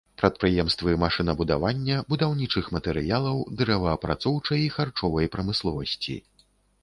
Прадпрыемствы машынабудавання, будаўнічых матэрыялаў, дрэваапрацоўчай і харчовай прамысловасці.